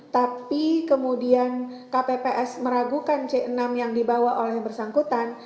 tapi kemudian kpps meragukan c enam yang dibawa oleh yang bersangkutan